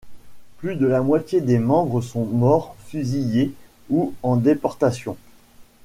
Plus de la moitié des membres sont morts fusillés ou en déportation.